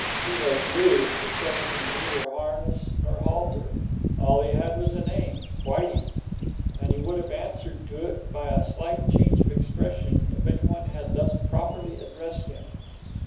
He was nude, possessing neither harness nor halter; all he had was a name, Whitey, and he would have answered to it by a slight change of expression if any one had thus properly addressed him.